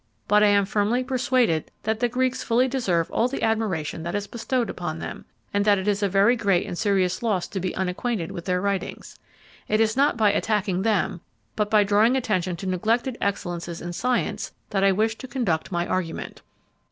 But I am firmly persuaded that the Greeks fully deserve all the admiration that is bestowed upon them, and that it is a very great and serious loss to be unacquainted with their writings. It is not by attacking them, but by drawing attention to neglected excellences in science, that I wish to conduct my argument.